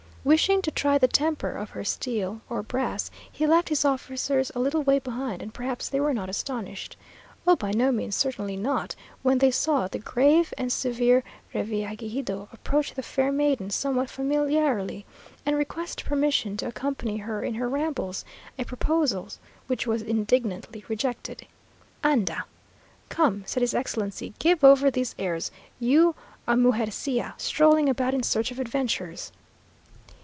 Wishing to try the temper of her steel (or brass) he left his officers a little way behind; and perhaps they were not astonished.... "Oh! by no means, certainly not!" when they saw the grave and severe Revillagigedo approach the fair maiden somewhat familiarly, and request permission to accompany her in her rambles, a proposal which was indignantly rejected. "Anda!" (Come!) said his Excellency, "give over these airs you, a mugercilla, strolling about in search of adventures."